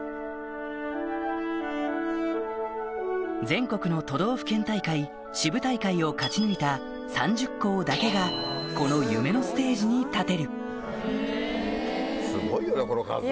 全国の都道府県大会支部大会を勝ち抜いた３０校だけがこの夢のステージに立てるすごいよね